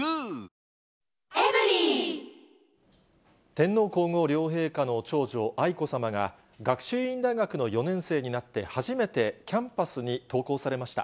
天皇皇后両陛下の長女、愛子さまが、学習院大学の４年生になって初めてキャンパスに登校されました。